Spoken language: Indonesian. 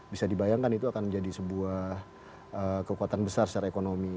bisa dibayangkan itu akan menjadi sebuah kekuatan besar secara ekonomi